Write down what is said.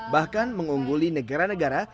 bahkan mengungguli negara negara